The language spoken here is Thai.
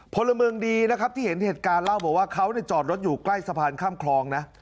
พลเมืองดีนะครับที่เห็นเหตุการณ์เล่าบอกว่าเขาจอดรถอยู่ใกล้สะพานข้ามคลองนะ